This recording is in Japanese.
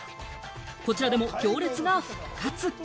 こちらでも行列が復活！